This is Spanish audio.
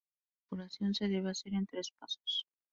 La perforación se debe hacer en tres pasos.